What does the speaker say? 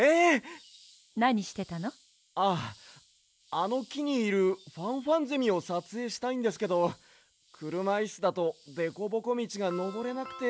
あのきにいるファンファンゼミをさつえいしたいんですけどくるまイスだとデコボコみちがのぼれなくて。